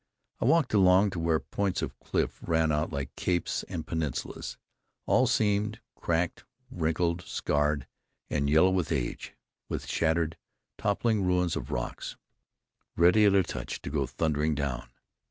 I walked along to where points of cliff ran out like capes and peninsulas, all seamed, cracked, wrinkled, scarred and yellow with age, with shattered, toppling ruins of rocks ready at a touch to go thundering down.